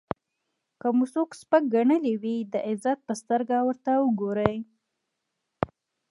که مو څوک سپک ګڼلی وي د عزت په سترګه ورته وګورئ.